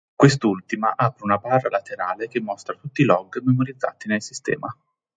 Quest'ultima apre una barra laterale che mostra tutti i log memorizzati nel sistema.